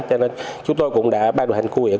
cho nên chúng tôi cũng đã ban đồ hành khu huyện